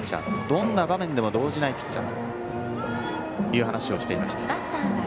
どんな場面でも動じないピッチャーだという話をしていました。